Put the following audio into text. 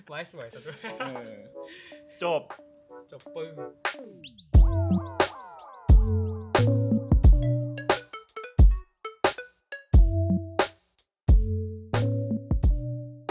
ไว้สวยซะด้วย